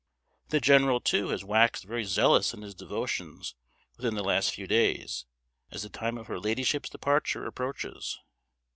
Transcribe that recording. The general, too, has waxed very zealous in his devotions within the last few days, as the time of her ladyship's departure approaches.